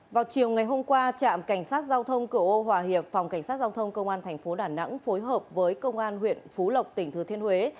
vào chiều ngày hôm qua trạm cảnh sát giao thông cửa ô hòa hiệp phòng cảnh sát giao thông công an thành phố đà nẵng phối hợp với công an huyện phú lộc tỉnh thừa thiên huế